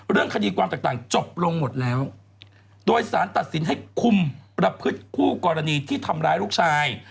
เรื่องคดีความต่างจบลงหมดแล้วโดยสารตัดสินให้คุมประพฤติคู่กรณีที่ทำร้ายลูกชาย